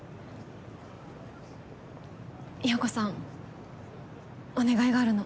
洋子さんお願いがあるの。